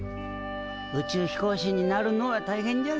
宇宙飛行士になるのはたいへんじゃぞ。